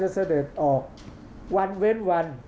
ภาคอีสานแห้งแรง